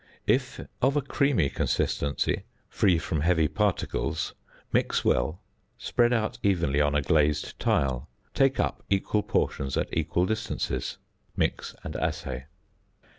If of a creamy consistency, free from heavy particles: mix well; spread out evenly on a glazed tile. Take up equal portions at equal distances. Mix and assay.